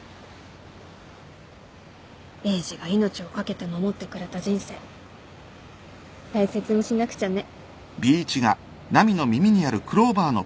エイジが命を懸けて守ってくれた人生大切にしなくちゃね。